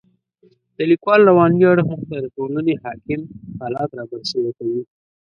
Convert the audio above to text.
د لیکوال رواني اړخ موږ ته د ټولنې حاکم حالات را برسېره کوي.